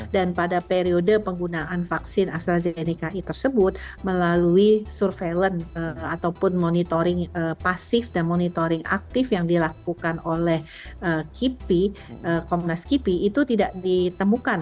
dan pada periode penggunaan vaksin astrazeneca tersebut melalui surveillance ataupun monitoring pasif dan monitoring aktif yang dilakukan oleh kipi komnas kipi itu tidak ditemukan